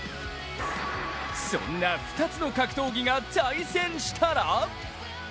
そんな２つの格闘技が対戦したら？